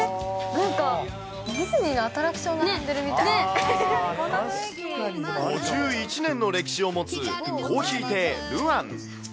なんか、ディズニーのアトラクシ５１年の歴史を持つ珈琲亭ルアン。